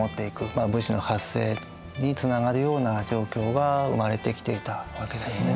まあ武士の発生につながるような状況が生まれてきていたわけですね。